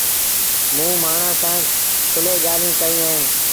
موٚنٚ مآڻهآنٚ سآݩٚ کُلي ڳآليٚنٚ ڪئيݩ اهينٚ